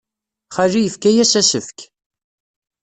Xali yefka-as asefk.